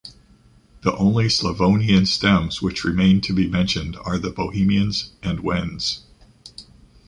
The only Slavonian stems which remain to be mentioned, are, the Bohemians and Wends.